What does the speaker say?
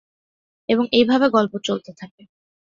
এবং এইভাবে গল্প চলতে থাকে।